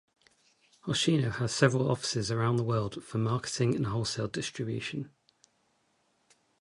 Hoshino has several offices around the world for marketing and wholesale distribution.